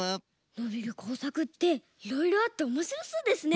のびるこうさくっていろいろあっておもしろそうですね。